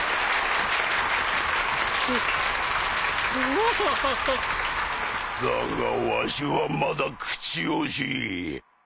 おおおだがわしはまだ口惜しい。